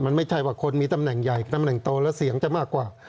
มันไม่ใช่ว่าคนมีตำแหน่งใหญ่ตำแหน่งโตแล้วเสียงจะมากกว่า